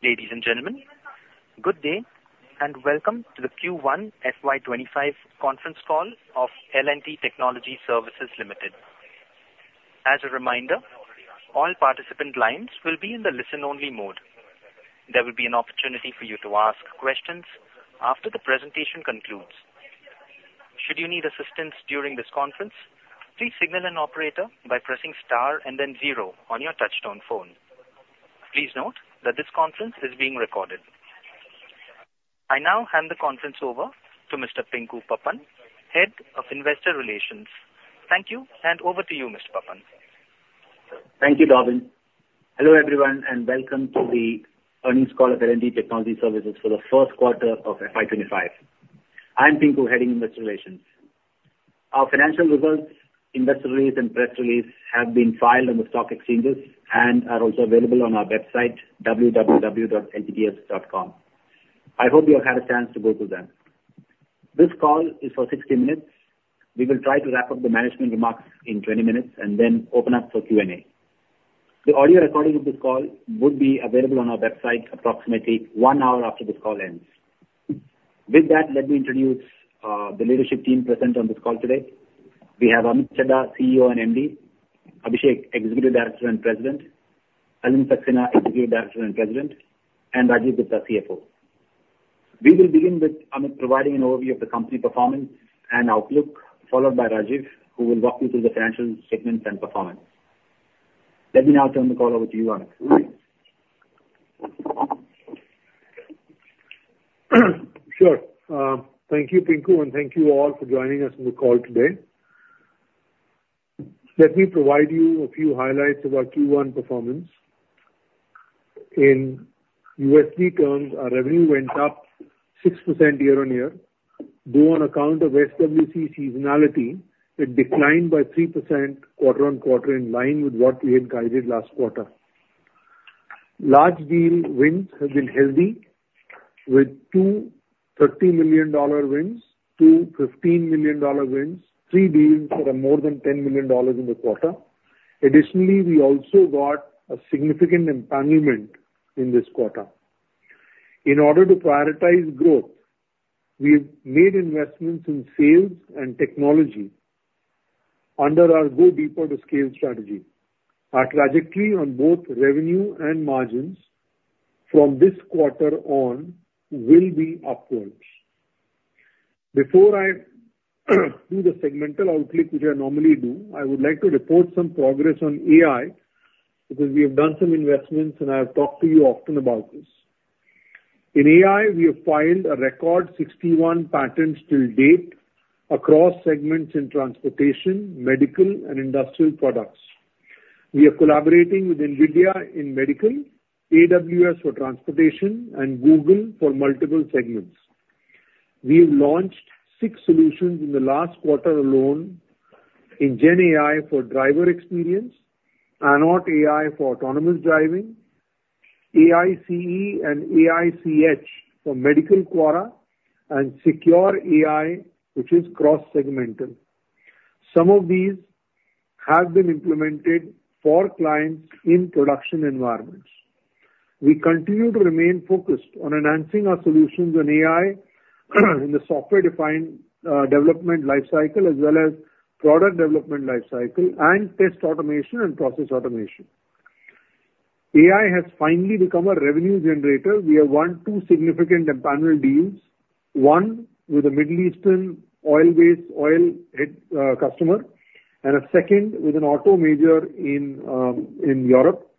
Ladies and gentlemen, good day, and welcome to the Q1 FY25 conference call of L&T Technology Services Limited. As a reminder, all participant lines will be in the listen-only mode. There will be an opportunity for you to ask questions after the presentation concludes. Should you need assistance during this conference, please signal an operator by pressing star and then 0 on your touchtone phone. Please note that this conference is being recorded. I now hand the conference over to Mr. Pinku Pappan, Head of Investor Relations. Thank you, and over to you, Mr. Pappan. Thank you, Darwin. Hello, everyone, and welcome to the earnings call of L&T Technology Services for the first quarter of FY 25. I'm Pinku, heading Investor Relations. Our financial results, investor release, and press release have been filed on the stock exchanges and are also available on our website, www.ltts.com. I hope you have had a chance to go through them. This call is for 60 minutes. We will try to wrap up the management remarks in 20 minutes and then open up for Q&A. The audio recording of this call would be available on our website approximately 1 hour after this call ends. With that, let me introduce the leadership team present on this call today. We have Amit Chadha, CEO and MD; Abhishek, Executive Director and President; Alind Saxena, Executive Director and President; and Rajeev Gupta, CFO. We will begin with Amit providing an overview of the company performance and outlook, followed by Rajeev, who will walk you through the financial statements and performance. Let me now turn the call over to you, Amit. Sure. Thank you, Pinku, and thank you all for joining us on the call today. Let me provide you a few highlights of our Q1 performance. In USD terms, our revenue went up 6% year-on-year. Due on account of SWC seasonality, it declined by 3% quarter-on-quarter, in line with what we had guided last quarter. Large deal wins have been healthy, with two $30 million wins, two $15 million wins, three deals that are more than $10 million in the quarter. Additionally, we also got a significant empowerment in this quarter. In order to prioritize growth, we've made investments in sales and technology under our Go Deeper to Scale strategy. Our trajectory on both revenue and margins from this quarter on will be upwards. Before I do the segmental outlook, which I normally do, I would like to report some progress on AI, because we have done some investments, and I have talked to you often about this. In AI, we have filed a record 61 patents till date across segments in transportation, medical, and industrial products. We are collaborating with NVIDIA in medical, AWS for transportation, and Google for multiple segments. We have launched six solutions in the last quarter alone in GenAI for driver experience, AnnotAI for autonomous driving, AiCE and AiCH for medical QARA, and Secure AI, which is cross-segmental. Some of these have been implemented for clients in production environments. We continue to remain focused on enhancing our solutions on AI, in the software-defined development life cycle, as well as product development life cycle, and test automation and process automation. AI has finally become a revenue generator. We have won 2 significant empowerment deals, one with a Middle Eastern oil-based oil head customer, and a second with an auto major in Europe,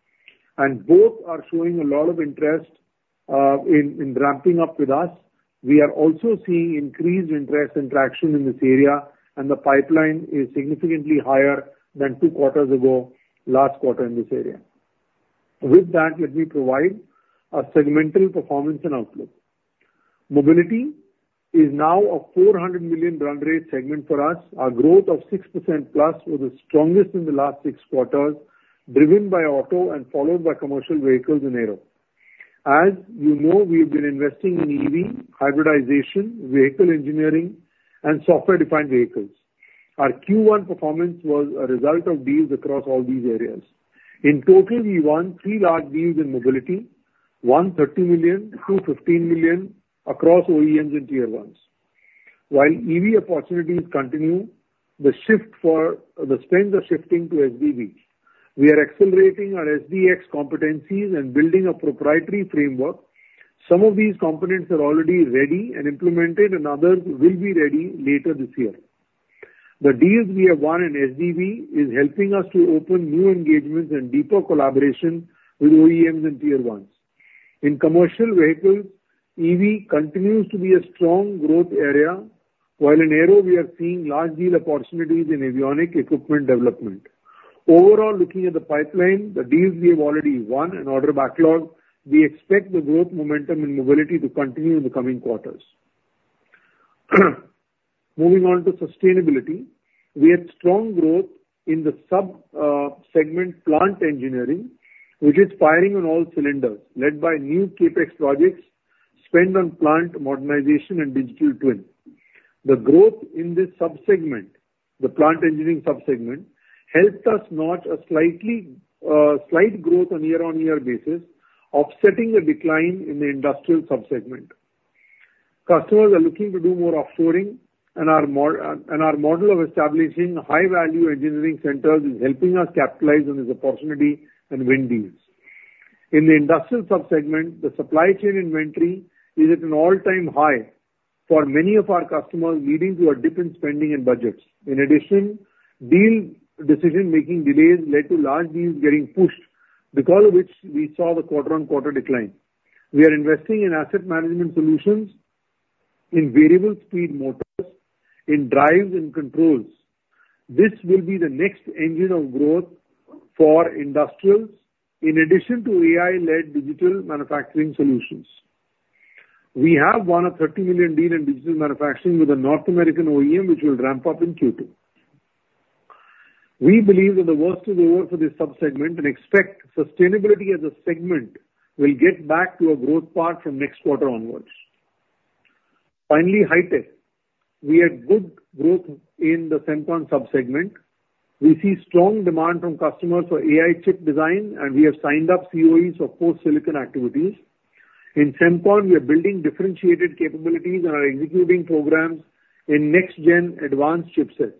and both are showing a lot of interest in ramping up with us. We are also seeing increased interest and traction in this area, and the pipeline is significantly higher than 2 quarters ago, last quarter in this area. With that, let me provide a segmental performance and outlook. Mobility is now a $400 million run rate segment for us. Our growth of 6%+ was the strongest in the last 6 quarters, driven by auto and followed by commercial vehicles and aero. As you know, we have been investing in EV, hybridization, vehicle engineering, and software-defined vehicles. Our Q1 performance was a result of deals across all these areas. In total, we won 3 large deals in mobility, one $30 million, two $15 million, across OEMs and Tier 1s. While EV opportunities continue, the shift, the spends are shifting to SDV. We are accelerating our SDx competencies and building a proprietary framework. Some of these components are already ready and implemented, and others will be ready later this year. The deals we have won in SDV is helping us to open new engagements and deeper collaboration with OEMs and Tier 1s. In commercial vehicles, EV continues to be a strong growth area, while in aero, we are seeing large deal opportunities in avionics equipment development. Overall, looking at the pipeline, the deals we have already won and order backlog, we expect the growth momentum in mobility to continue in the coming quarters. Moving on to sustainability, we had strong growth in the subsegment plant engineering, which is firing on all cylinders, led by new CapEx projects, spend on plant modernization and Digital Twin. The growth in this subsegment, the plant engineering subsegment, helped us notch a slight growth on year-on-year basis, offsetting a decline in the industrial subsegment. Customers are looking to do more offshoring, and our model of establishing high-value engineering centers is helping us capitalize on this opportunity and win deals. In the industrial subsegment, the supply chain inventory is at an all-time high for many of our customers, leading to a dip in spending and budgets. In addition, deal decision-making delays led to large deals getting pushed, because of which we saw the quarter-on-quarter decline. We are investing in asset management solutions, in variable speed motors, in drives and controls. This will be the next engine of growth for industrials, in addition to AI-led digital manufacturing solutions. We have won a $30 million deal in digital manufacturing with a North American OEM, which will ramp up in Q2. We believe that the worst is over for this subsegment and expect sustainability as a segment will get back to a growth path from next quarter onwards. Finally, high tech. We had good growth in the Semicon subsegment. We see strong demand from customers for AI chip design, and we have signed up COEs for post-silicon activities. In Semicon, we are building differentiated capabilities and are executing programs in next gen advanced chipsets.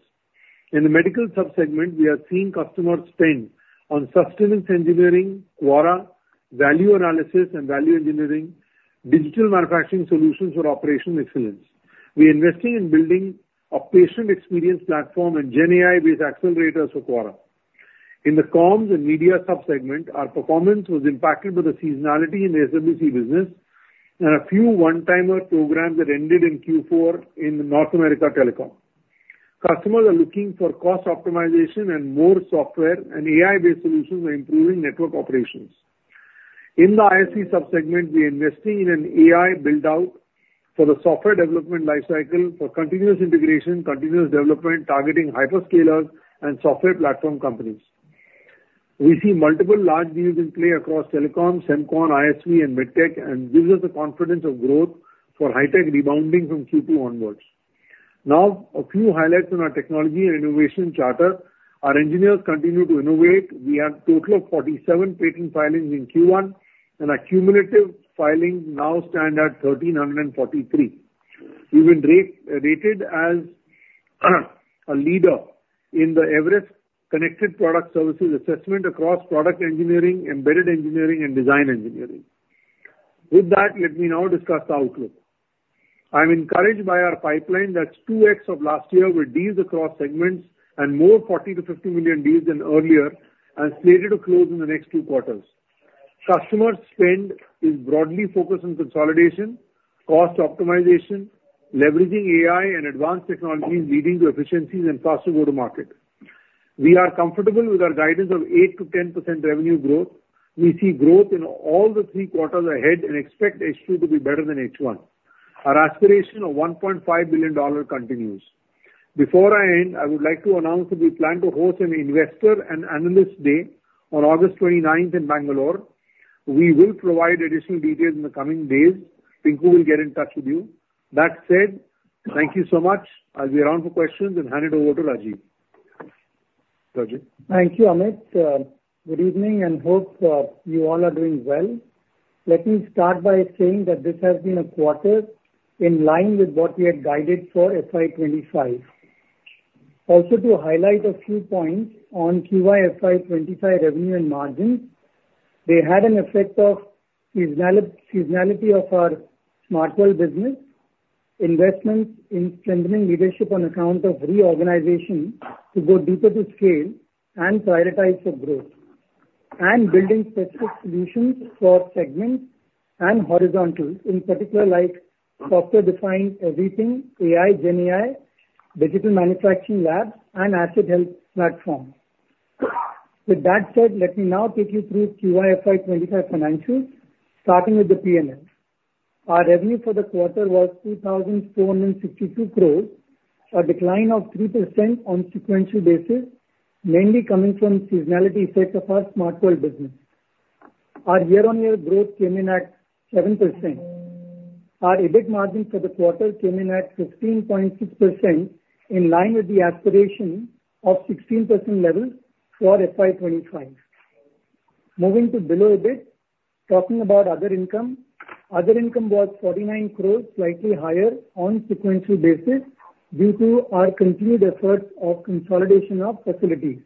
In the medical subsegment, we are seeing customers spend on sustenance engineering, QARA, value analysis and value engineering, digital manufacturing solutions for operational excellence. We are investing in building a patient experience platform and GenAI-based accelerators for QARA. In the comms and media subsegment, our performance was impacted by the seasonality in the SWC business and a few one-timer programs that ended in Q4 in the North America Telecom. Customers are looking for cost optimization and more software, and AI-based solutions are improving network operations. In the ISE subsegment, we are investing in an AI build-out for the software development life cycle for continuous integration, continuous development, targeting hyperscalers and software platform companies. We see multiple large deals in play across Telecom, Semicon, ISV and MedTech, and gives us the confidence of growth for high tech rebounding from Q2 onwards. Now, a few highlights on our technology and innovation charter. Our engineers continue to innovate. We have total of 47 patent filings in Q1, and our cumulative filings now stand at 1,343. We've been rated as a leader in the Everest connected product services assessment across product engineering, embedded engineering, and design engineering. With that, let me now discuss our outlook. I'm encouraged by our pipeline that's 2x of last year, with deals across segments and more $40 million-$50 million deals than earlier, and slated to close in the next two quarters. Customer spend is broadly focused on consolidation, cost optimization, leveraging AI and advanced technologies, leading to efficiencies and faster go-to-market. We are comfortable with our guidance of 8%-10% revenue growth. We see growth in all the three quarters ahead and expect H2 to be better than H1. Our aspiration of $1.5 billion continues. Before I end, I would like to announce that we plan to host an investor and analyst day on August twenty-ninth in Bangalore. We will provide additional details in the coming days. Pinku will get in touch with you. That said, thank you so much. I'll be around for questions and hand it over to Rajeev. Rajeev? Thank you, Amit. Good evening, and hope you all are doing well. Let me start by saying that this has been a quarter in line with what we had guided for FY 25. Also, to highlight a few points on Q1 FY 25 revenue and margins, they had an effect of seasonality of our Smart World business, investments in strengthening leadership on account of reorganization to Go Deeper to Scale and prioritize for growth, and building specific solutions for segments and horizontals, in particular, like software-defined everything, AI, GenAI, Digital Manufacturing Labs, and asset health platform. With that said, let me now take you through Q1 FY 25 financials, starting with the P&L. Our revenue for the quarter was 2,462 crores, a decline of 3% on sequential basis, mainly coming from seasonality effect of our Smart World business. Our year-on-year growth came in at 7%. Our EBIT margin for the quarter came in at 16.6%, in line with the aspiration of 16% level for FY 2025. Moving to below EBIT, talking about other income. Other income was 49 crore, slightly higher on sequential basis due to our continued efforts of consolidation of facilities.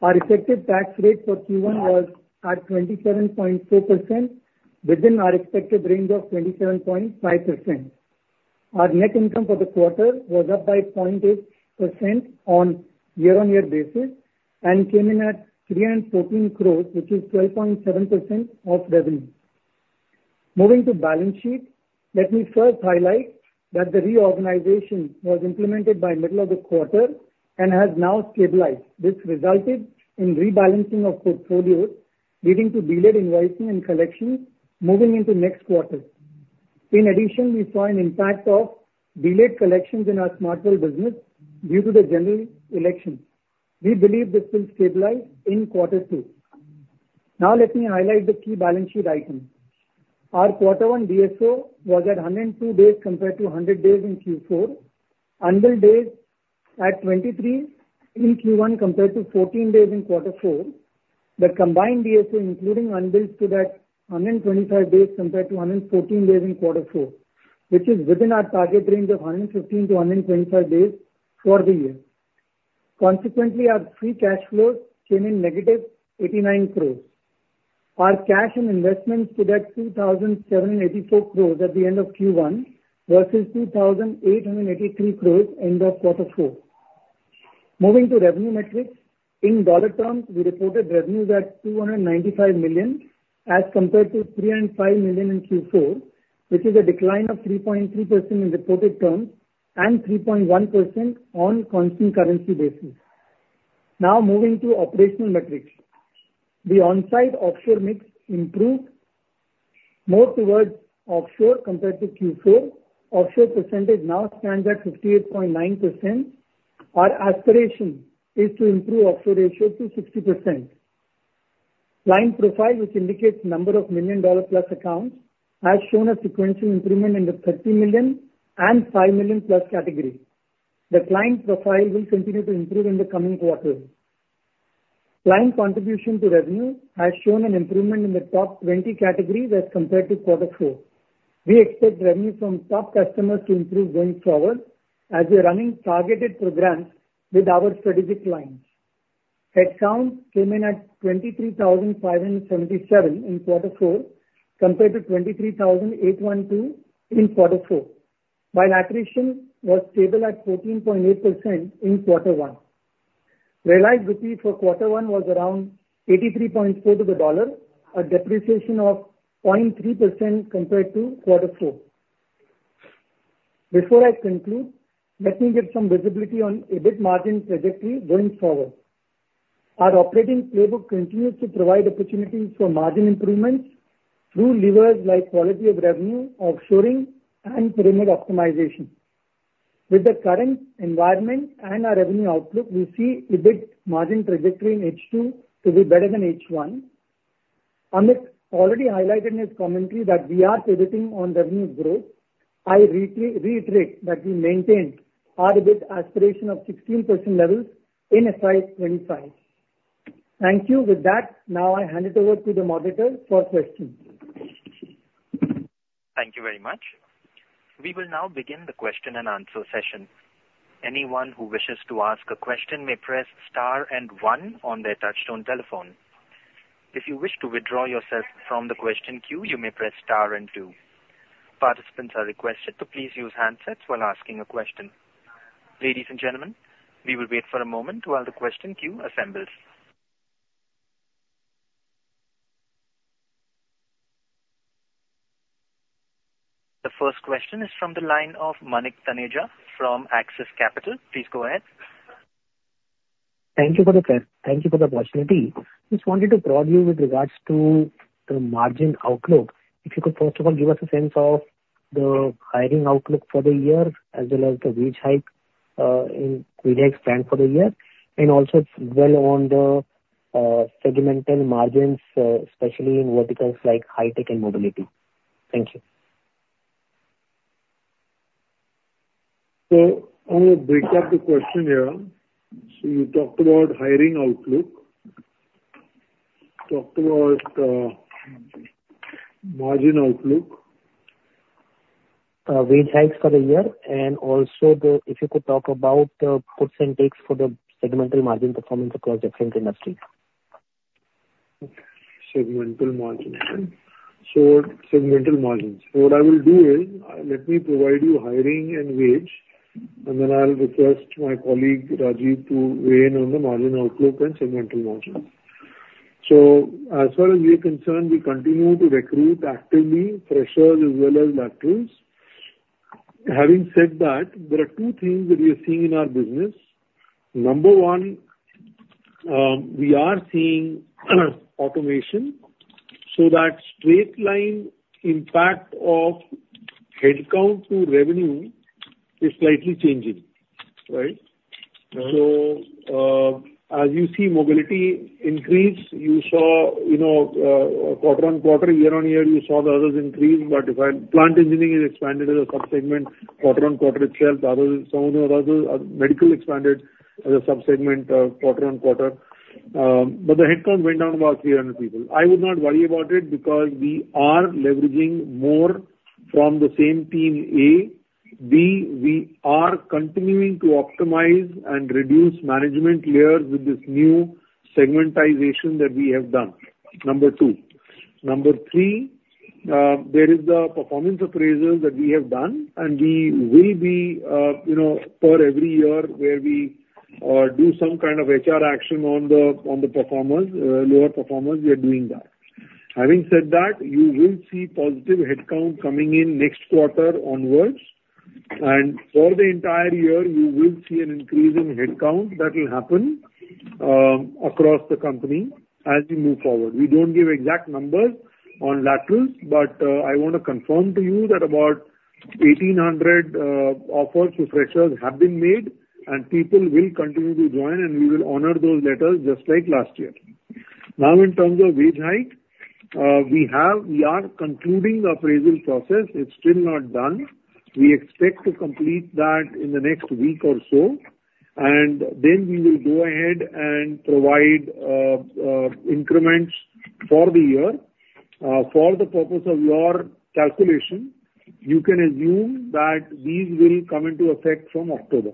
Our effective tax rate for Q1 was at 27.4%, within our expected range of 27.5%. Our net income for the quarter was up by 0.8% on year-on-year basis and came in at 314 crore, which is 12.7% of revenue. Moving to balance sheet, let me first highlight that the reorganization was implemented by middle of the quarter and has now stabilized. This resulted in rebalancing of portfolio, leading to delayed invoicing and collection moving into next quarter. In addition, we saw an impact of delayed collections in our Smart World business due to the general election. We believe this will stabilize in quarter two. Now let me highlight the key balance sheet items. Our quarter one DSO was at 102 days compared to 100 days in Q4. Unbilled days at 23 in Q1, compared to 14 days in quarter four. The combined DSO, including unbilled, stood at 125 days compared to 114 days in quarter four, which is within our target range of 115-125 days for the year. Consequently, our free cash flow came in -INR 89 crore. Our cash and investments stood at INR 2,784 crore at the end of Q1 versus INR 2,883 crore end of quarter four. Moving to revenue metrics. In dollar terms, we reported revenues at $295 million as compared to $305 million in Q4, which is a decline of 3.3% in reported terms and 3.1% on constant currency basis. Now moving to operational metrics. The on-site offshore mix improved more towards offshore compared to Q4. Offshore percentage now stands at 58.9%. Our aspiration is to improve offshore ratio to 60%. Client profile, which indicates number of million-dollar-plus accounts, has shown a sequential improvement in the $30 million and $5 million-plus category. The client profile will continue to improve in the coming quarters. Client contribution to revenue has shown an improvement in the top 20 categories as compared to quarter four. We expect revenue from top customers to improve going forward as we are running targeted programs with our strategic clients. Headcount came in at 23,577 in quarter four, compared to 23,812 in quarter four, while attrition was stable at 14.8% in quarter one. Realized rupee for quarter one was around 83.4 to the dollar, a depreciation of 0.3% compared to quarter four. Before I conclude, let me give some visibility on EBIT margin trajectory going forward. Our operating playbook continues to provide opportunities for margin improvements through levers like quality of revenue, offshoring, and perimeter optimization. With the current environment and our revenue outlook, we see EBIT margin trajectory in H2 to be better than H1. Amit already highlighted in his commentary that we are pivoting on revenue growth. I reiterate that we maintain our EBIT aspiration of 16% levels in FY 2025. Thank you. With that, now I hand it over to the moderator for questions. Thank you very much. We will now begin the question-and-answer session. Anyone who wishes to ask a question may press star and 1 on their touchtone telephone. If you wish to withdraw yourself from the question queue, you may press star and 2. Participants are requested to please use handsets while asking a question. Ladies and gentlemen, we will wait for a moment while the question queue assembles. The first question is from the line of Manik Taneja from Axis Capital. Please go ahead. Thank you for the opportunity. Just wanted to probe you with regards to the margin outlook. If you could first of all, give us a sense of the hiring outlook for the year as well as the wage hike we expect for the year and also as well on the segmental margins, especially in verticals like high tech and mobility. Thank you. So I will break up the question here. So you talked about hiring outlook. Talked about, margin outlook. Wage hikes for the year, and also, if you could talk about puts and takes for the segmental margin performance across different industries. Okay. Segmental margin. So segmental margins. So what I will do is, let me provide you hiring and wage, and then I'll request my colleague, Rajeev, to weigh in on the margin outlook and segmental margins. So as far as we're concerned, we continue to recruit actively, freshers as well as laterals. Having said that, there are two things that we are seeing in our business. Number 1, we are seeing automation, so that straight line impact of headcount to revenue is slightly changing, right? So, as you see mobility increase, you saw, you know, quarter-on-quarter, year-on-year, you saw the others increase. But if I... Plant engineering is expanded as a sub-segment, quarter-on-quarter itself. The others, some of the others, medical expanded as a sub-segment, quarter-on-quarter. But the headcount went down about 300 people. I would not worry about it because we are leveraging more from the same team, A. B, we are continuing to optimize and reduce management layers with this new segmentation that we have done, number two. Number three, there is the performance appraisals that we have done, and we will be, you know, for every year where we do some kind of HR action on the, on the performers, lower performers, we are doing that. Having said that, you will see positive headcount coming in next quarter onwards, and for the entire year you will see an increase in headcount that will happen across the company as we move forward. We don't give exact numbers on laterals, but I want to confirm to you that about 1,800 offers to freshers have been made, and people will continue to join, and we will honor those letters just like last year. Now, in terms of wage hike, we are concluding the appraisal process. It's still not done. We expect to complete that in the next week or so, and then we will go ahead and provide increments for the year. For the purpose of your calculation, you can assume that these will come into effect from October.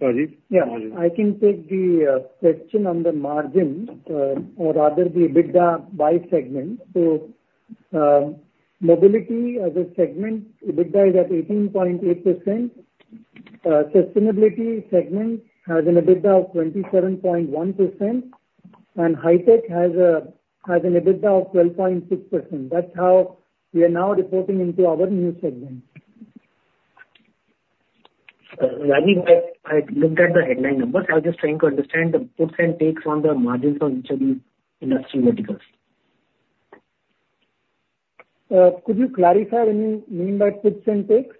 Sorry? Yeah. I can take the question on the margins, or rather the EBITDA by segment. So, mobility as a segment, EBITDA is at 18.8%. Sustainability segment has an EBITDA of 27.1%, and high tech has an EBITDA of 12.6%. That's how we are now reporting into our new segment. I mean, I looked at the headline numbers. I was just trying to understand the puts and takes on the margins on each of the industry verticals. Could you clarify what you mean by puts and takes?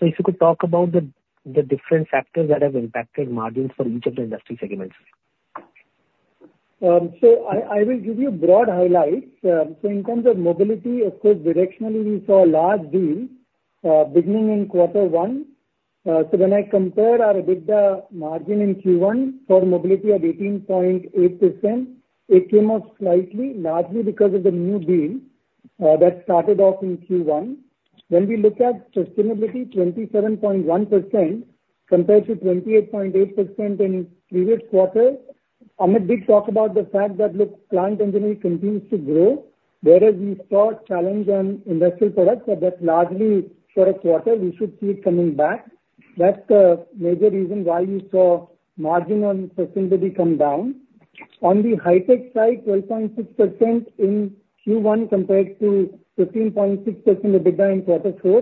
If you could talk about the different factors that have impacted margins for each of the industry segments? So I will give you broad highlights. So in terms of mobility, of course, directionally, we saw large deals beginning in quarter one. So when I compare our EBITDA margin in Q1 for mobility at 18.8%, it came up slightly, largely because of the new deal that started off in Q1. When we look at sustainability, 27.1% compared to 28.8% in previous quarter, Amit did talk about the fact that look, client engineering continues to grow. Whereas we saw challenge on industrial products, but that's largely for a quarter, we should see it coming back. That's the major reason why you saw margin on sustainability come down. On the high tech side, 12.6% in Q1 compared to 15.6% EBITDA in quarter 4.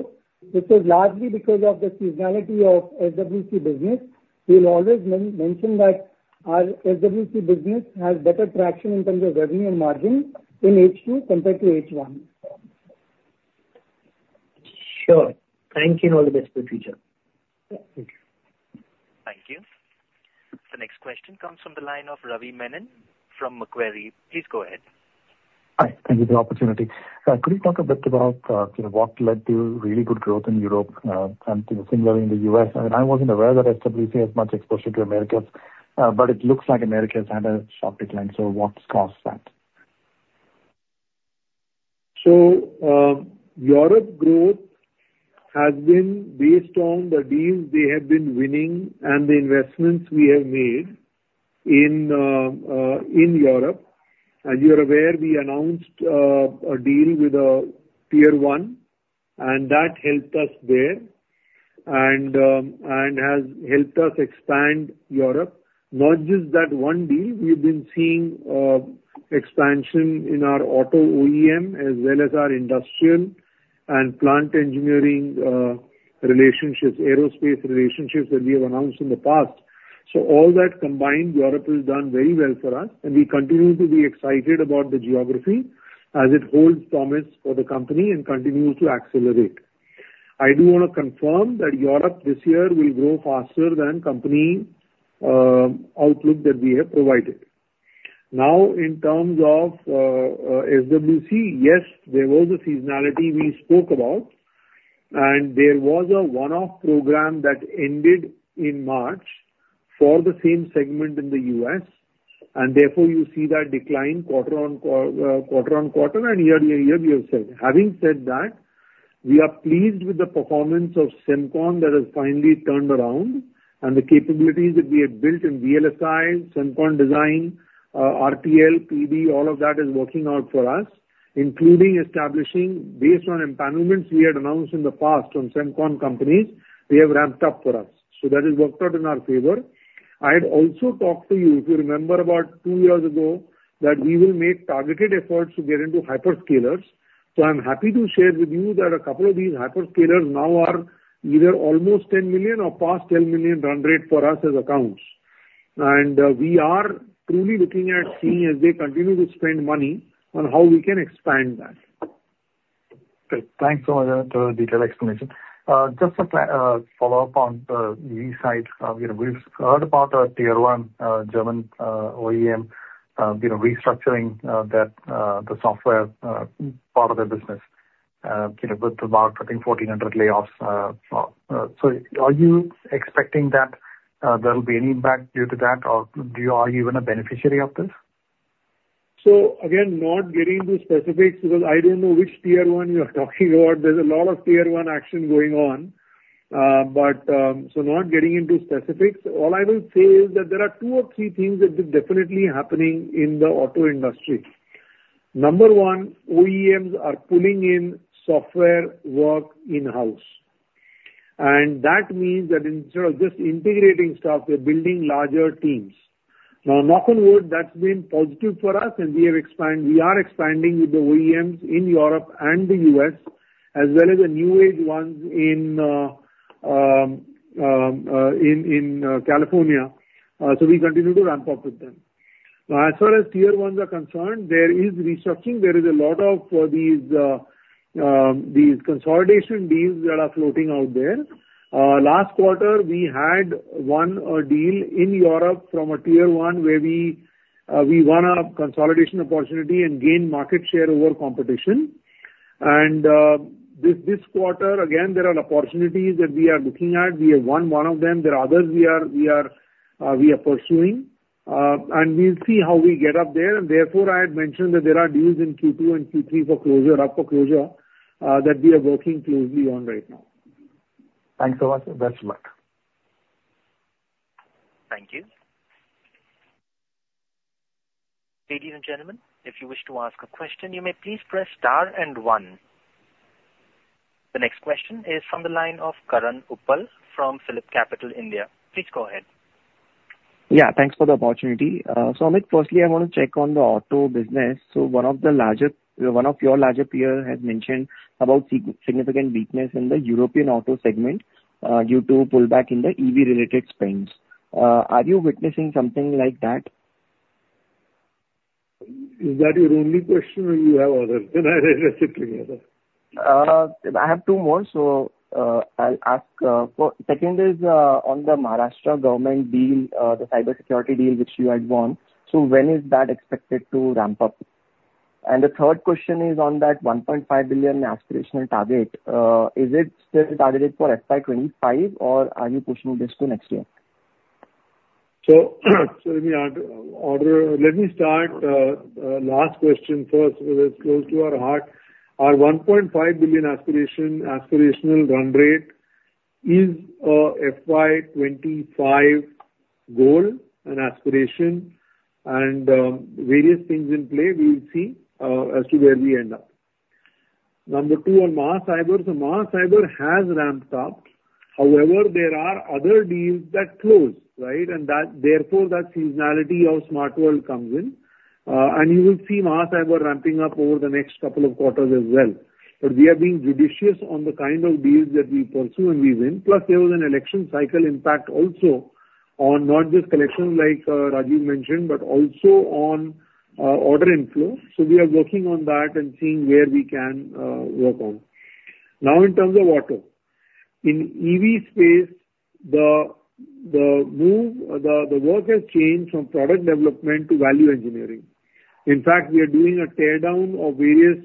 This is largely because of the seasonality of SWC business. We'll always mention that our SWC business has better traction in terms of revenue and margin in H2 compared to H1. Sure. Thank you, and all the best for the future. Yeah. Thank you. Thank you. The next question comes from the line of Ravi Menon from Macquarie. Please go ahead. Hi, thank you for the opportunity. Could you talk a bit about, you know, what led to really good growth in Europe, and similarly in the U.S.? I mean, I wasn't aware that SWC has much exposure to Americas, but it looks like Americas had a sharp decline, so what's caused that? Europe growth has been based on the deals we have been winning and the investments we have made in in Europe. As you're aware, we announced a deal with Tier 1, and that helped us there and has helped us expand Europe. Not just that one deal, we've been seeing expansion in our auto OEM as well as our industrial and plant engineering relationships, aerospace relationships that we have announced in the past. So all that combined, Europe has done very well for us, and we continue to be excited about the geography as it holds promise for the company and continues to accelerate. I do wanna confirm that Europe this year will grow faster than company outlook that we have provided. Now, in terms of SWC, yes, there was a seasonality we spoke about, and there was a one-off program that ended in March for the same segment in the U.S., and therefore you see that decline quarter-over-quarter and year-over-year, we have said. Having said that, we are pleased with the performance of Semicon that has finally turned around, and the capabilities that we have built in VLSI, Semicon design, RTL, PD, all of that is working out for us, including establishing, based on empanelments we had announced in the past on Semicon companies, they have ramped up for us. So that has worked out in our favor. I had also talked to you, if you remember, about two years ago, that we will make targeted efforts to get into hyperscalers. I'm happy to share with you that a couple of these hyperscalers now are either almost $10 million or past $10 million run rate for us as accounts. We are truly looking at seeing as they continue to spend money on how we can expand that. Great. Thanks so much for the detailed explanation. Just a follow-up on the V side. You know, we've heard about a Tier 1 German OEM, you know, restructuring that the software part of their business, you know, with about, I think, 1,400 layoffs, so are you expecting that there will be any impact due to that, or do you... Are you even a beneficiary of this? So again, not getting into specifics because I don't know which Tier 1 you are talking about. There's a lot of Tier 1 action going on. So not getting into specifics, all I will say is that there are two or three things that are definitely happening in the auto industry. Number one, OEMs are pulling in software work in-house, and that means that instead of just integrating staff, they're building larger teams. Now, knock on wood, that's been positive for us, and we have expanded, we are expanding with the OEMs in Europe and the U.S., as well as the new age ones in California. So we continue to ramp up with them. As far as Tier 1s are concerned, there is restructuring. There is a lot of these consolidation deals that are floating out there. Last quarter, we had one deal in Europe from a Tier 1, where we won a consolidation opportunity and gained market share over competition. And this quarter, again, there are opportunities that we are looking at. We have won one of them. There are others we are pursuing, and we'll see how we get up there. And therefore, I had mentioned that there are deals in Q2 and Q3 for closure, up for closure, that we are working closely on right now. Thanks so much, and best of luck. Thank you. Ladies and gentlemen, if you wish to ask a question, you may please press star and 1. The next question is from the line of Karan Uppal from PhillipCapital. Please go ahead. Yeah, thanks for the opportunity. So Amit, firstly, I want to check on the auto business. So one of the larger, one of your larger peer has mentioned about significant weakness in the European auto segment, due to pullback in the EV-related spends. Are you witnessing something like that? Is that your only question, or you have others? And I sit together. I have two more, so, I'll ask. So second is, on the Maharashtra government deal, the cybersecurity deal, which you had won. So when is that expected to ramp up? And the third question is on that $1.5 billion aspirational target. Is it still targeted for FY 2025, or are you pushing this to next year? Let me start last question first, because it's close to our heart. Our $1.5 billion aspiration, aspirational run rate is a FY 2025 goal and aspiration and various things in play, we will see as to where we end up. Number two, on Maharashtra Cyber. So Maharashtra Cyber has ramped up. However, there are other deals that close, right? And that, therefore, that seasonality of Smart World comes in. And you will see Maharashtra Cyber ramping up over the next couple of quarters as well. But we are being judicious on the kind of deals that we pursue, and we win. Plus, there was an election cycle impact also on not just collection, like Rajeev mentioned, but also on order inflow. So we are working on that and seeing where we can work on. Now in terms of auto. In EV space, the move, the work has changed from product development to value engineering. In fact, we are doing a tear down of various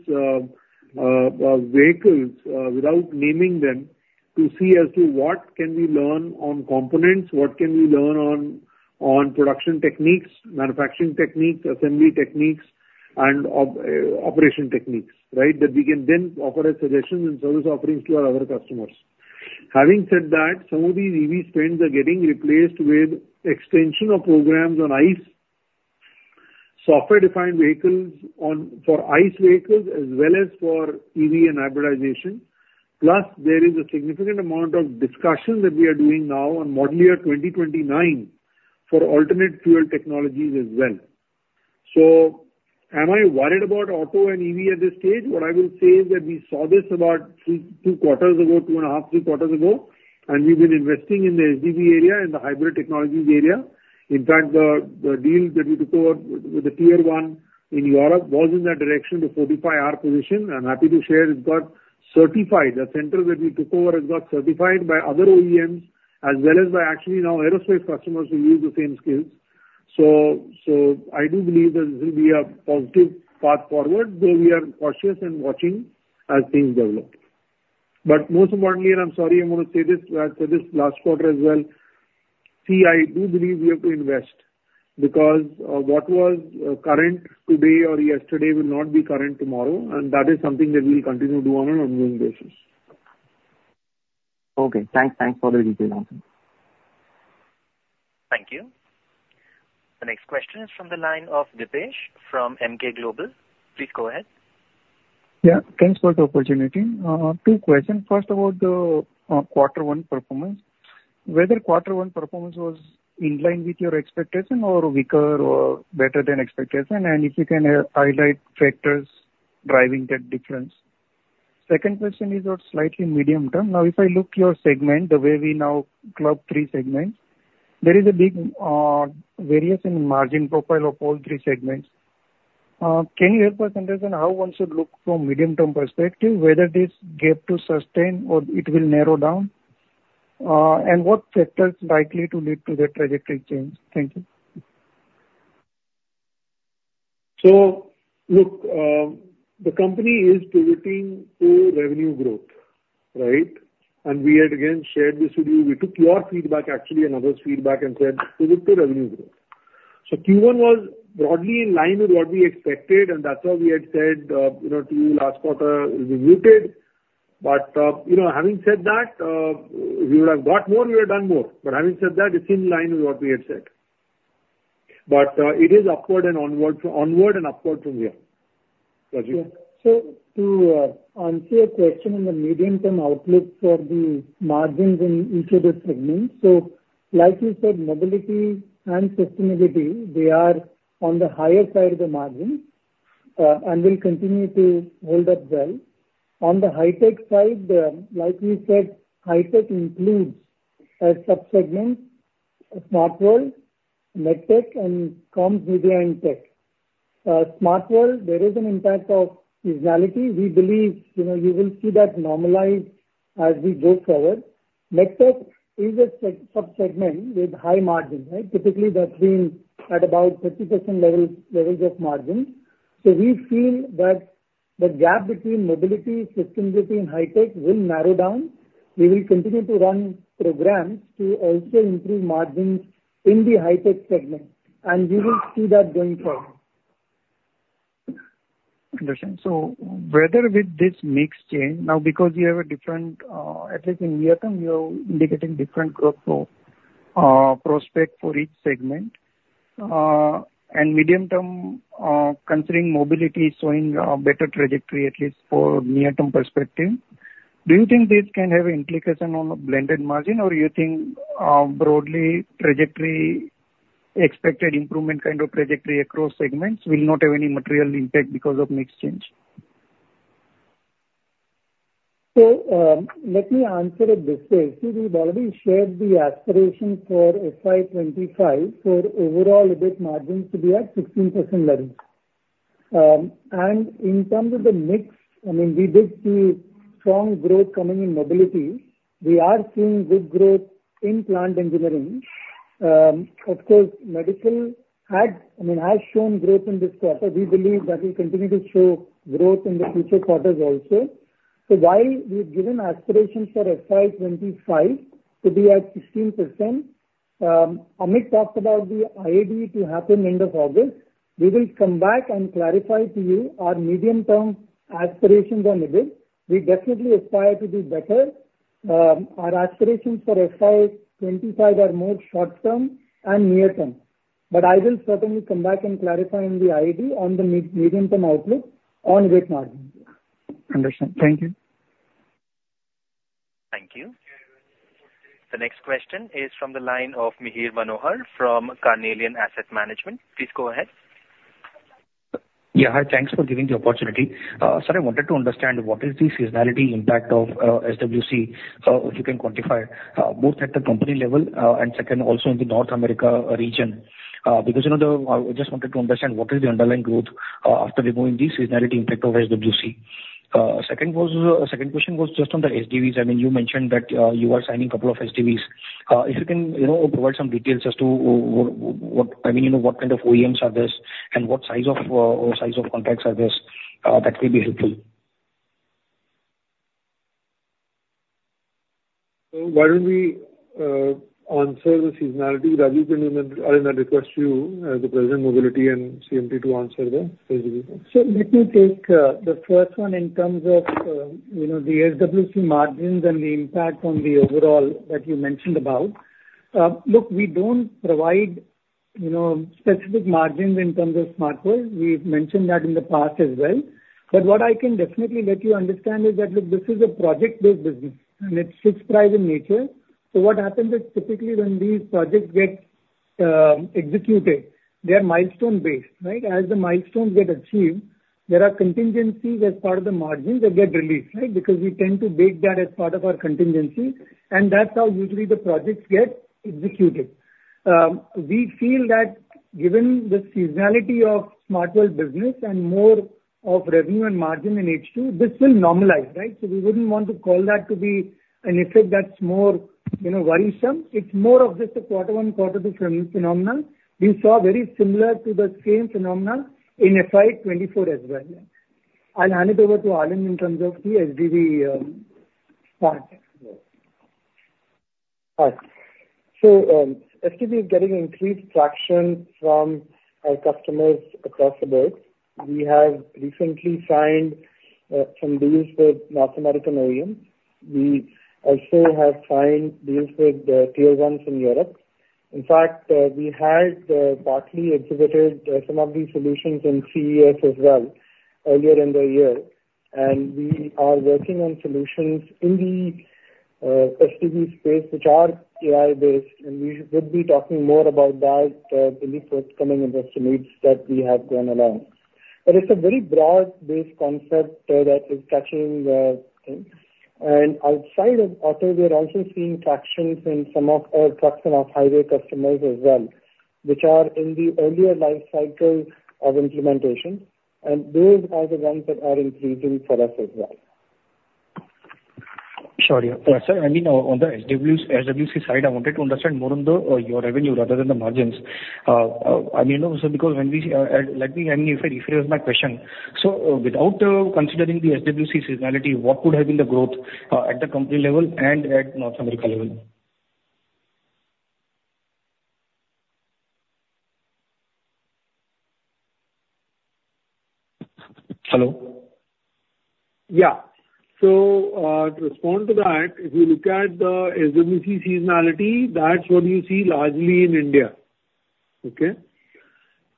vehicles, without naming them, to see as to what can we learn on components, what can we learn on production techniques, manufacturing techniques, assembly techniques, and operation techniques, right? That we can then offer as suggestions and service offerings to our other customers. Having said that, some of these EV spends are getting replaced with extension of programs on ICE, software-defined vehicles on, for ICE vehicles as well as for EV and hybridization. Plus, there is a significant amount of discussion that we are doing now on modular 2029 for alternate fuel technologies as well. So am I worried about auto and EV at this stage? What I will say is that we saw this about 3, 2 quarters ago, 2.5, 3 quarters ago, and we've been investing in the HGV area and the hybrid technologies area. In fact, the, the deal that we took over with, with the Tier 1 in Europe was in that direction to fortify our position. I'm happy to share it got certified. The center that we took over has got certified by other OEMs as well as by actually now aerospace customers who use the same skills. So, so I do believe that this will be a positive path forward, though we are cautious and watching as things develop. But most importantly, and I'm sorry, I'm going to say this, for this last quarter as well, see, I do believe we have to invest because what was current today or yesterday will not be current tomorrow, and that is something that we'll continue to do on an ongoing basis. Okay, thanks. Thanks for the detailed answer. Thank you. The next question is from the line of Dipesh from Emkay Global. Please go ahead. Yeah, thanks for the opportunity. Two questions. First, about the quarter one performance. Whether quarter one performance was in line with your expectation or weaker or better than expectation, and if you can highlight factors driving that difference. Second question is on slightly medium term. Now, if I look your segment, the way we now club three segments, there is a big variance in margin profile of all three segments. Can you help us understand how one should look from medium-term perspective, whether this gap to sustain or it will narrow down? And what factors likely to lead to that trajectory change? Thank you. So look, the company is pivoting to revenue growth, right? And we had again shared this with you. We took your feedback, actually, and others' feedback and said we look to revenue growth. So Q1 was broadly in line with what we expected, and that's why we had said, you know, to you last quarter, it was rooted. But, you know, having said that, we would have got more, we would have done more. But having said that, it's in line with what we had said. But, it is upward and onward from, onward and upward from here. Rajeev? So to answer your question on the medium-term outlook for the margins in each of the segments. So like you said, mobility and sustainability, they are on the higher side of the margin, and will continue to hold up well. On the high-tech side, like we said, high-tech includes a sub-segment, SmartWorld, MedTech, and Comms, Video, and Tech. SmartWorld, there is an impact of seasonality. We believe, you know, you will see that normalize as we go forward. MedTech is a sub-segment with high margin, right? Typically, that's been at about 30% levels, levels of margin. So we feel that the gap between mobility systems, between high-tech will narrow down. We will continue to run programs to also improve margins in the high-tech segment, and you will see that going forward. Understand. So whether with this mix change, now, because you have a different, at least in near term, you are indicating different growth, prospect for each segment, and medium term, considering mobility showing, better trajectory, at least for near-term perspective, do you think this can have implication on the blended margin, or you think, broadly trajectory, expected improvement kind of trajectory across segments will not have any material impact because of mix change? So, let me answer it this way. See, we've already shared the aspiration for FY 25 for overall EBIT margins to be at 16% levels. And in terms of the mix, I mean, we did see strong growth coming in mobility. We are seeing good growth in plant engineering. Of course, medical had, I mean, has shown growth in this quarter. We believe that will continue to show growth in the future quarters also. So while we've given aspirations for FY 25 to be at 16%, Amit talked about the IAD to happen end of August. We will come back and clarify to you our medium-term aspirations on EBIT. We definitely aspire to do better. Our aspirations for FY 25 are more short term and near term, but I will certainly come back and clarify in the IAD on the medium-term outlook on EBIT margin. Understand. Thank you. Thank you. The next question is from the line of Mihir Manohar from Carnelian Asset Management. Please go ahead. Yeah, hi. Thanks for giving the opportunity. Sir, I wanted to understand what the seasonality impact of SWC is, if you can quantify both at the company level and second, also in the North America region. Because, you know, the I just wanted to understand what the underlying growth is after removing the seasonality impact of SWC. Second was, second question was just on the SDVs. I mean, you mentioned that you are signing a couple of SDVs. If you can, you know, provide some details as to what, I mean what kind of OEMs are this, and what size of or size of contracts are this, that will be helpful. So why don't we answer the seasonality? Raju, can you, and I request you, the president, mobility and CMT, to answer the SDV one. So let me take the first one in terms of, you know, the SWC margins and the impact on the overall that you mentioned about. Look, we don't provide, specific margins in terms of Smart World. We've mentioned that in the past as well. But what I can definitely let you understand is that, look, this is a project-based business, and it's fixed price in nature. So what happens is, typically when these projects get executed, they are milestone-based, right? As the milestones get achieved, there are contingencies as part of the margins that get released, right? Because we tend to bake that as part of our contingency, and that's how usually the projects get executed. We feel that given the seasonality of Smart World business and more of revenue and margin in H2, this will normalize, right? So we wouldn't want to call that to be an effect that's more, you know, worrisome. It's more of just a quarter-on-quarter phenomenon. We saw very similar to the same phenomenon in FY 2024 as well. I'll hand it over to Alind in terms of the SDV part. Hi. So, SDV is getting increased traction from our customers across the board. We have recently signed some deals with North American OEMs. We also have signed deals with tier ones in Europe. In fact, we had partly exhibited some of these solutions in CES as well earlier in the year. And we are working on solutions in the SDV space, which are AI-based, and we would be talking more about that in the forthcoming investor meets that we have going along. But it's a very broad-based concept that is touching. And outside of auto, we are also seeing tractions in some of our trucks and off-highway customers as well, which are in the earlier life cycle of implementation, and those are the ones that are increasing for us as well. Sure. Sir, I mean, on the SWC side, I wanted to understand more on the, your revenue rather than the margins. I mean, also because when we, let me, I mean, if I rephrase my question: So, without considering the SWC seasonality, what would have been the growth, at the company level and at North America level? Hello? Yeah. So, to respond to that, if you look at the SWC seasonality, that's what you see largely in India. Okay?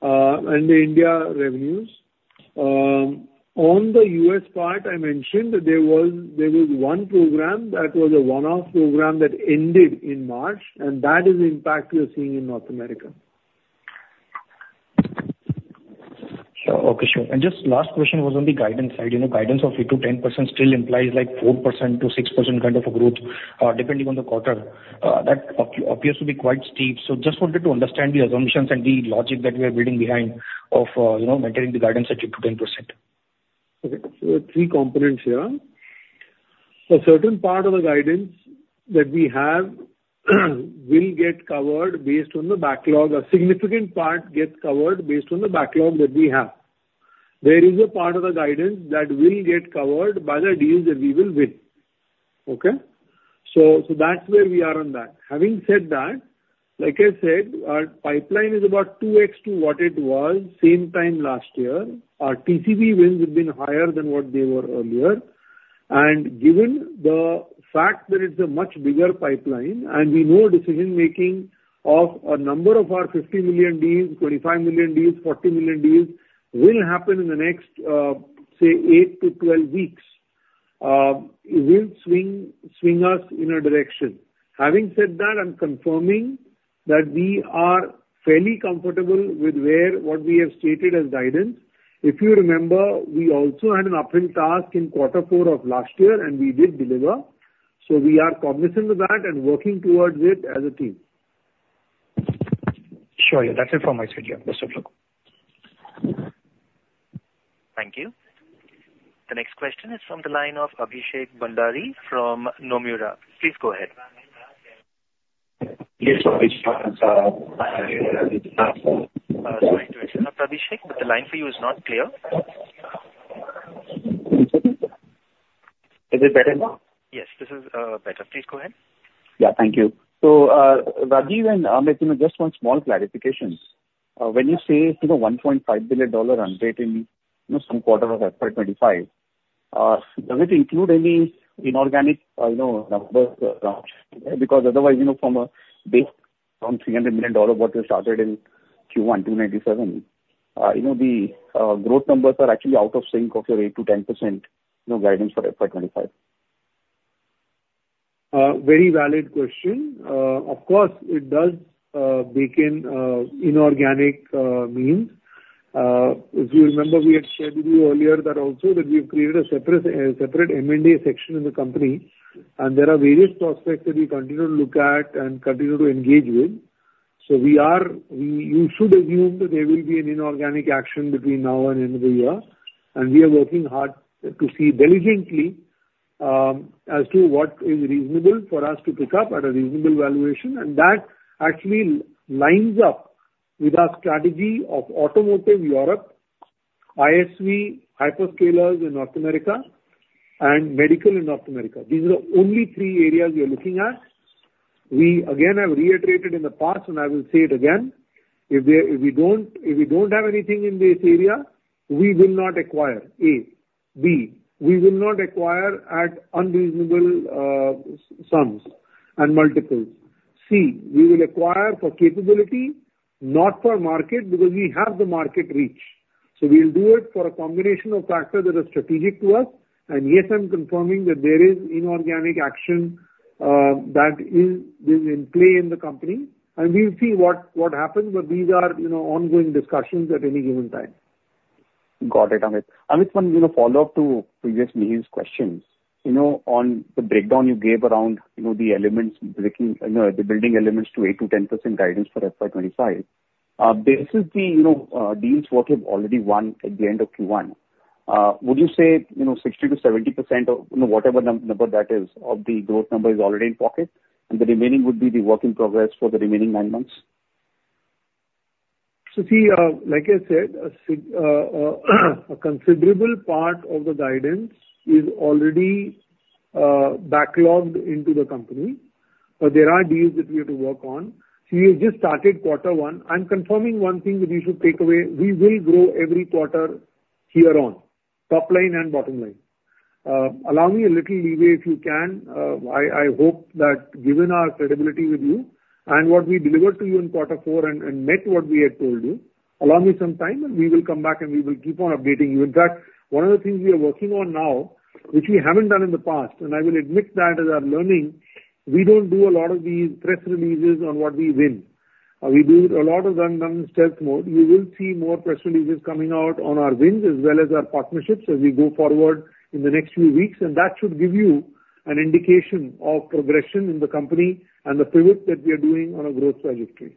And the India revenues. On the U.S. part, I mentioned that there was, there was one program that was a one-off program that ended in March, and that is the impact you're seeing in North America. Sure. Okay, sure. And just last question was on the guidance side. You know, guidance of 8%-10% still implies like 4%-6% kind of a growth, depending on the quarter. That appears to be quite steep. So just wanted to understand the assumptions and the logic that we are building behind of, maintaining the guidance at 8%-10%? Okay, so three components here. A certain part of the guidance that we have will get covered based on the backlog. A significant part gets covered based on the backlog that we have. There is a part of the guidance that will get covered by the deals that we will win. Okay? So, so that's where we are on that. Having said that, like I said, our pipeline is about 2x what it was same time last year. Our TCV wins have been higher than what they were earlier. And given the fact that it's a much bigger pipeline and we know decision-making of a number of our $50 million deals, $25 million deals, $40 million deals, will happen in the next, say, 8 to 12 weeks, it will swing us in a direction. Having said that, I'm confirming that we are fairly comfortable with where, what we have stated as guidance. If you remember, we also had an uphill task in quarter four of last year, and we did deliver. So we are cognizant of that and working towards it as a team. Sure, yeah. That's it for my side, yeah. Best of luck. Thank you. The next question is from the line of Abhishek Bhandari from Nomura. Please go ahead. Yes, Abhishek- Sorry to interrupt, Abhishek, but the line for you is not clear. Is it better now? Yes, this is better. Please go ahead. Yeah. Thank you. So, Rajeev and Amit, you know, just want small clarifications. When you say, you know, $1.5 billion run rate in, some quarter of FY 2025, does it include any inorganic, you know, numbers, because otherwise, you know, from a base, from $300 million what you started in Q1 $297, you know, the growth numbers are actually out of sync of your 8%-10%, you know, guidance for FY 2025? Very valid question. Of course, it does bake in inorganic means. If you remember, we had shared with you earlier that also that we have created a separate separate M&A section in the company, and there are various prospects that we continue to look at and continue to engage with. So you should assume that there will be an inorganic action between now and end of the year, and we are working hard to see diligently as to what is reasonable for us to pick up at a reasonable valuation. And that actually lines up with our strategy of automotive Europe, ISV, hyperscalers in North America, and medical in North America. These are the only three areas we are looking at. We again have reiterated in the past, and I will say it again, if we, if we don't, if we don't have anything in this area, we will not acquire, A. B, we will not acquire at unreasonable sums and multiples. C, we will acquire for capability, not for market, because we have the market reach. So we'll do it for a combination of factors that are strategic to us. And yes, I'm confirming that there is inorganic action that is in play in the company, and we'll see what happens. But these are, you know, ongoing discussions at any given time. Got it, Amit. Amit, one, you know, follow-up to previous Mihir's questions. On the breakdown you gave around, the elements breaking, the building elements to 8%-10% guidance for FY 2025. This is the, you know, deals what you've already won at the end of Q1. Would you say, you know, 60%-70% of, you know, whatever number that is, of the growth number is already in pocket, and the remaining would be the work in progress for the remaining nine months? So see, like I said, a considerable part of the guidance is already backlogged into the company. But there are deals that we have to work on. We have just started quarter one. I'm confirming one thing that you should take away: We will grow every quarter here on, top line and bottom line. Allow me a little leeway, if you can. I hope that given our credibility with you and what we delivered to you in quarter four and met what we had told you, allow me some time, and we will come back, and we will keep on updating you. In fact, one of the things we are working on now, which we haven't done in the past, and I will admit that as our learning, we don't do a lot of these press releases on what we win. We do a lot of them done in stealth mode. You will see more press releases coming out on our wins, as well as our partnerships as we go forward in the next few weeks, and that should give you an indication of progression in the company and the pivot that we are doing on a growth trajectory.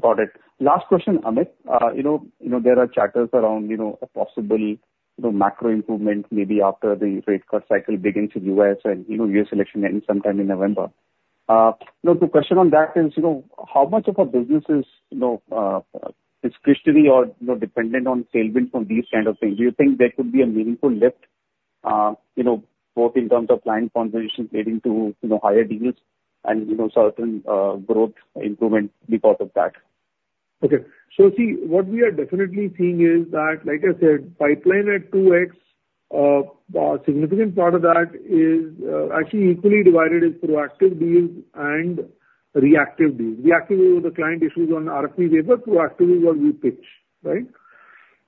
Got it. Last question, Amit., there are chatters around, you know, a possible, you know, macro improvement maybe after the rate cut cycle begins in U.S. and, U.S. election ends sometime in November. You know, the question on that is, you know, how much of our business is, you know, is discretionary or, you know, dependent on tailwind from these kind of things? Do you think there could be a meaningful lift, both in terms of client conversations leading to, you know, higher deals and, certain, growth improvement because of that? Okay. So see, what we are definitely seeing is that, like I said, pipeline at 2X, a significant part of that is actually equally divided into proactive deals and reactive deals. Reactive is where the client issues on RFP, but proactive is what we pitch, right?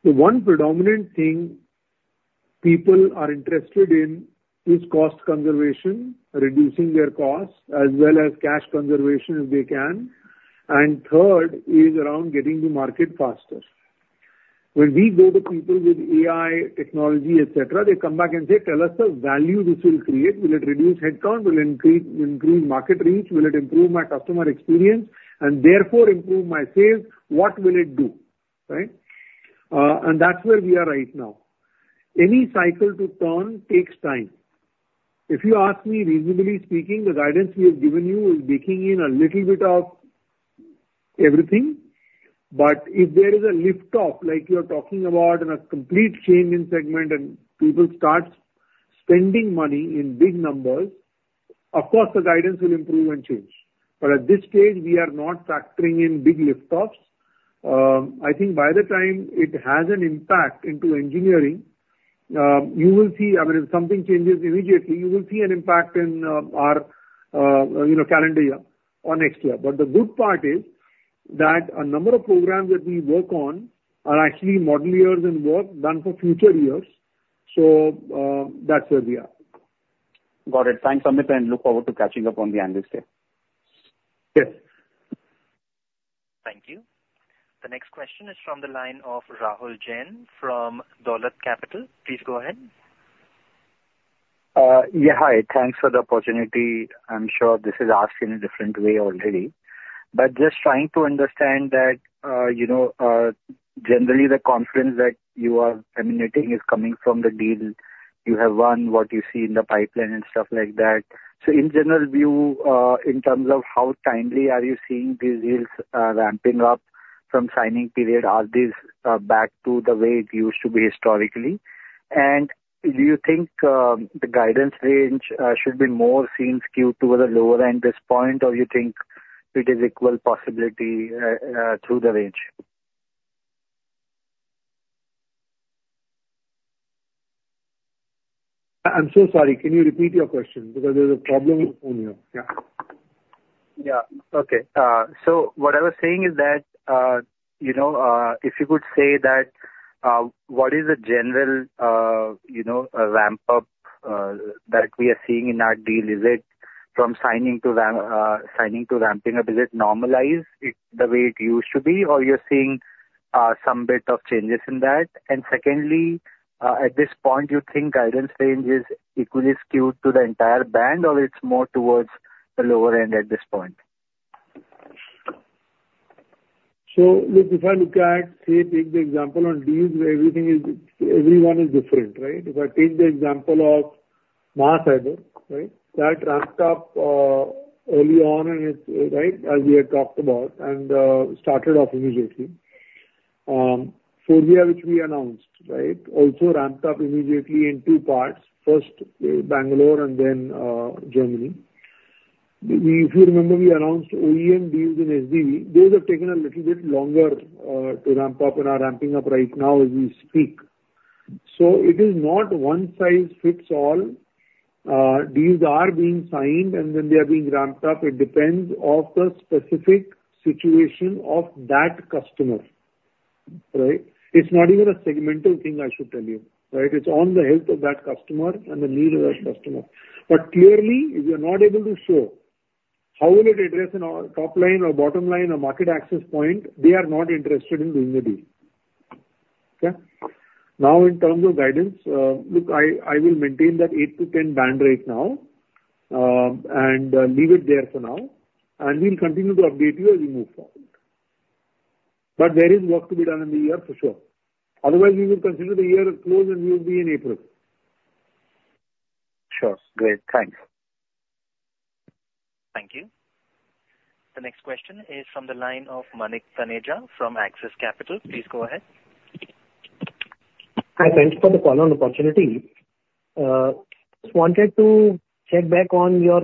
The one predominant thing people are interested in is cost conservation, reducing their costs, as well as cash conservation if they can, and third is around getting to market faster. When we go to people with AI technology, et cetera, they come back and say, "Tell us the value this will create. Will it reduce headcount? Will it increase, improve market reach? Will it improve my customer experience and therefore improve my sales? What will it do?" Right? And that's where we are right now. Any cycle to turn takes time. If you ask me, reasonably speaking, the guidance we have given you is baking in a little bit of everything. But if there is a lift-off, like you are talking about, and a complete change in segment and people start spending money in big numbers, of course, the guidance will improve and change. But at this stage, we are not factoring in big lift-offs. I think by the time it has an impact into engineering, you will see, I mean, if something changes immediately, you will see an impact in, our, you know, calendar year or next year. But the good part is that a number of programs that we work on are actually model years and work done for future years. So, that's where we are. Got it. Thanks, Amit, and look forward to catching up on the Analyst Day. Yes. Thank you. The next question is from the line of Rahul Jain from Dolat Capital. Please go ahead. Yeah, hi. Thanks for the opportunity. I'm sure this is asked in a different way already, but just trying to understand that, generally the confidence that you are emanating is coming from the deals you have won, what you see in the pipeline and stuff like that. So in general view, in terms of how timely are you seeing these deals, ramping up from signing period, are these, back to the way it used to be historically? And do you think, the guidance range, should be more seems skewed toward the lower end this point, or you think it is equal possibility, through the range? I'm so sorry. Can you repeat your question? Because there's a problem on here. Yeah. Okay. So what I was saying is that, you know, if you could say that, what is the general, you know, ramp-up that we are seeing in our deal? Is it from signing to ramp, signing to ramping up, is it normalized it, the way it used to be, or you're seeing some bit of changes in that? And secondly, at this point, you think guidance range is equally skewed to the entire band, or it's more towards the lower end at this point? So if I look at, say, take the example on deals where everything is, everyone is different, right? If I take the example of Maharashtra Cyber, right? That ramped up early on in its life, as we had talked about, and started off immediately. Forvia, which we announced, right, also ramped up immediately in two parts, first, Bangalore and then, Germany. We, if you remember, we announced OEM deals in SDV. Those have taken a little bit longer to ramp up and are ramping up right now as we speak. So it is not one size fits all. Deals are being signed, and then they are being ramped up. It depends of the specific situation of that customer, right? It's not even a segmental thing, I should tell you, right? It's on the health of that customer and the need of that customer. But clearly, if we are not able to show how will it address in our top line or bottom line or market access point, they are not interested in doing the deal. Okay? Now, in terms of guidance, look, I will maintain that 8-10 band right now, and leave it there for now, and we'll continue to update you as we move forward. But there is work to be done in the year for sure. Otherwise, we would consider the year is closed and we'll be in April. Sure. Great. Thanks. Thank you. The next question is from the line of Manik Taneja from Axis Capital. Please go ahead. Hi, thanks for the call and opportunity. Just wanted to check back on your,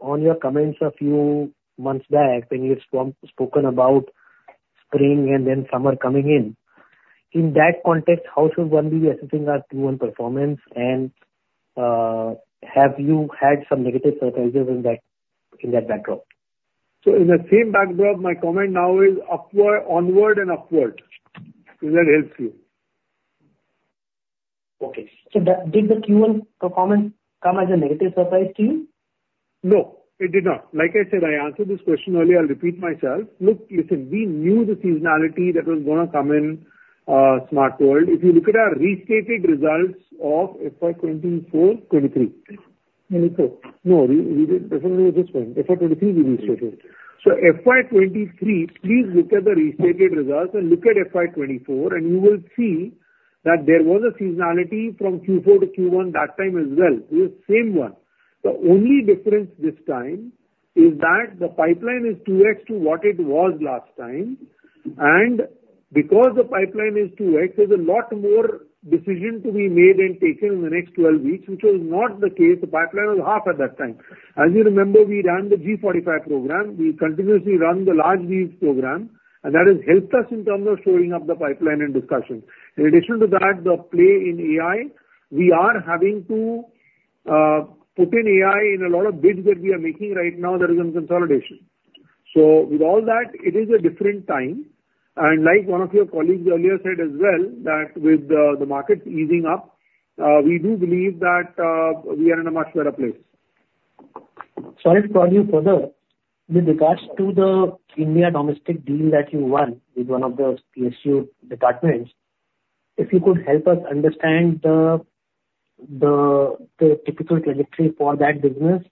on your comments a few months back when you had spoken about spring and then summer coming in. In that context, how should one be assessing our Q1 performance and, have you had some negative surprises in that, in that backdrop? So in the same backdrop, my comment now is upward, onward and upward, if that helps you. Okay. So did the Q1 performance come as a negative surprise to you? No, it did not. Like I said, I answered this question earlier, I'll repeat myself. Look, listen, we knew the seasonality that was gonna come in, Smart World. If you look at our restated results of FY 2024, 2023. 24. No, we, we did, definitely at this point. FY 2023 we restated. So FY 2023, please look at the restated results and look at FY 2024, and you will see that there was a seasonality from Q4 to Q1 that time as well, the same one. The only difference this time is that the pipeline is 2x to what it was last time, and. Because the pipeline is too wide, there's a lot more decision to be made and taken in the next 12 weeks, which was not the case. The pipeline was half at that time. As you remember, we ran the G 45 program. We continuously run the large deals program, and that has helped us in terms of showing up the pipeline and discussions. In addition to that, the play in AI, we are having to put in AI in a lot of bids that we are making right now that is on consolidation. So with all that, it is a different time, and like one of your colleagues earlier said as well, that with the market easing up, we do believe that we are in a much better place. Sorry to interrupt you further. With regards to the India domestic deal that you won with one of those PSU departments, if you could help us understand the typical trajectory for that business,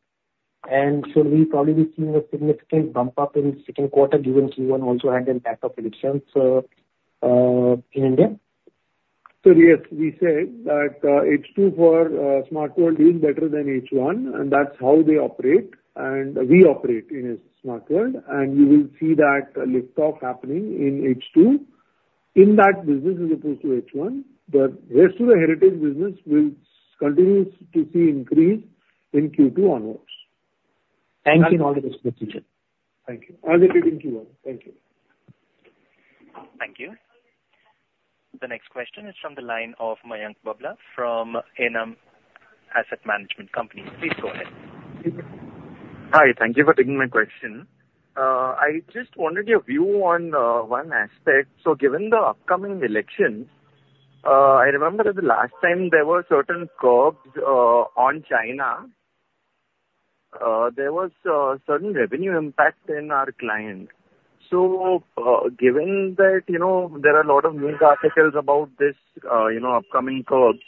and should we probably be seeing a significant bump up in second quarter, given Q1 also had an impact of elections in India? Yes, we said that, H2 for Smart World is better than H1, and that's how they operate and we operate in a Smart World. You will see that lift off happening in H2, in that business as opposed to H1. Rest of the heritage business will continue to see increase in Q2 onwards. Thank you. Thank you. As it did in Q1. Thank you. Thank you. The next question is from the line of Mayank Babla from Enam Asset Management. Please go ahead. Hi. Thank you for taking my question. I just wanted your view on, one aspect. So given the upcoming elections, I remember the last time there were certain curbs, on China, there was, certain revenue impact in our client. So, given that, you know, there are a lot of news articles about this, you know, upcoming curbs,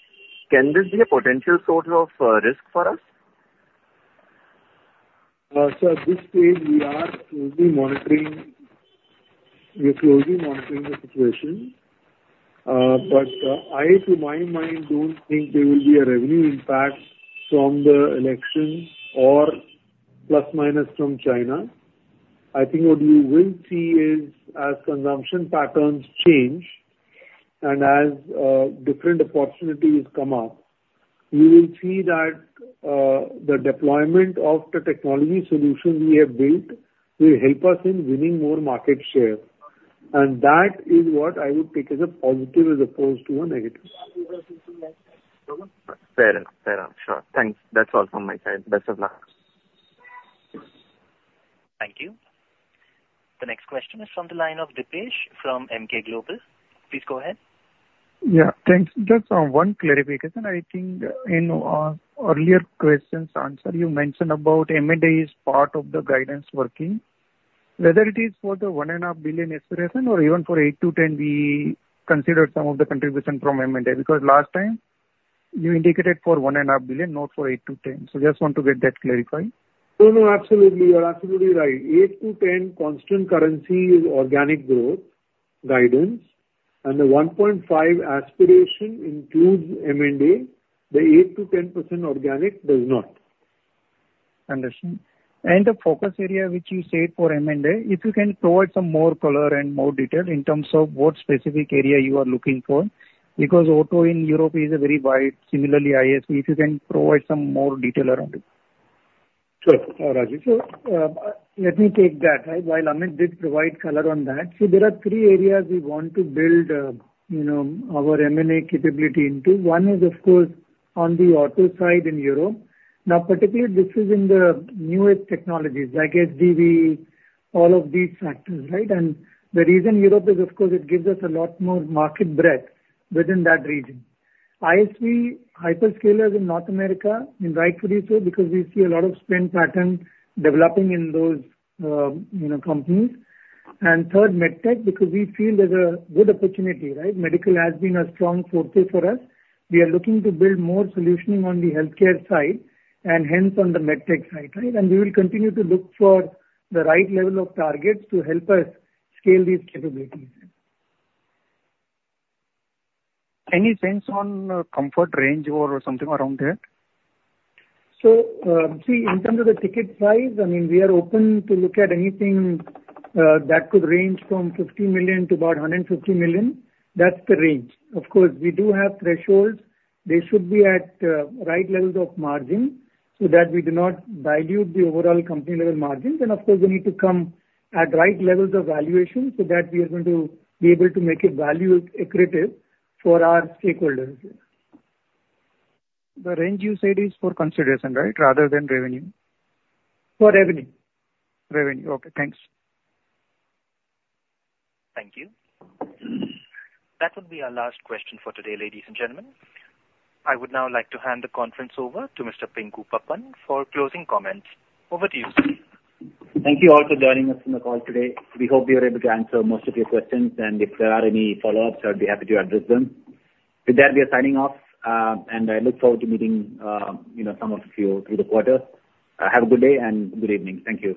can this be a potential source of, risk for us? So at this stage, we are closely monitoring the situation. But I, to my mind, don't think there will be a revenue impact from the elections or plus-minus from China. I think what we will see is, as consumption patterns change and as different opportunities come up, we will see that the deployment of the technology solution we have built will help us in winning more market share, and that is what I would take as a positive as opposed to a negative. Fair enough. Fair enough. Sure. Thanks. That's all from my side. Best of luck. Thank you. The next question is from the line of Dipesh from Emkay Global. Please go ahead. Yeah, thanks. Just one clarification. I think in earlier questions answer, you mentioned about M&A is part of the guidance working. Whether it is for the $1.5 billion aspiration or even for 8 to 10, we consider some of the contribution from M&A, because last time you indicated for $1.5 billion, not for 8 to 10. So just want to get that clarified. No, no, absolutely. You're absolutely right. 8-10 constant currency is organic growth guidance, and the 1.5 aspiration includes M&A. The 8%-10% organic does not. Understood. And the focus area, which you said for M&A, if you can provide some more color and more detail in terms of what specific area you are looking for, because auto in Europe is a very wide. Similarly, ISV, if you can provide some more detail around it. Sure, Rajeev. So, let me take that. While Amit did provide color on that, so there are three areas we want to build, our M&A capability into. One is, of course, on the auto side in Europe. Now, particularly, this is in the newest technologies like ADV, all of these factors, right? And the reason Europe is, of course, it gives us a lot more market breadth within that region. ISV hyperscalers in North America, and rightfully so, because we see a lot of spend pattern developing in those, you know, companies. And third, MedTech, because we feel there's a good opportunity, right? Medical has been a strong focus for us. We are looking to build more solutioning on the healthcare side and hence on the MedTech side, right? We will continue to look for the right level of targets to help us scale these capabilities. Any sense on, comfort range or something around that? See, in terms of the ticket size, I mean, we are open to look at anything that could range from $50 million to about $150 million. That's the range. Of course, we do have thresholds. They should be at right levels of margin so that we do not dilute the overall company level margins. Of course, we need to come at right levels of valuation so that we are going to be able to make it value accretive for our stakeholders. The range you said is for consideration, right, rather than revenue? For revenue. Revenue. Okay, thanks. Thank you. That would be our last question for today, ladies and gentlemen. I would now like to hand the conference over to Mr. Pinku Pappan for closing comments. Over to you, sir. Thank you all for joining us on the call today. We hope we were able to answer most of your questions, and if there are any follow-ups, I'd be happy to address them. With that, we are signing off, and I look forward to meeting, you know, some of you through the quarter. Have a good day and good evening. Thank you.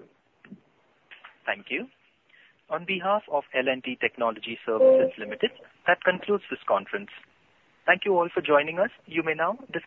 Thank you. On behalf of L&T Technology Services Limited, that concludes this conference. Thank you all for joining us. You may now disconnect.